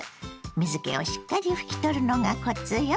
水けをしっかり拭き取るのがコツよ。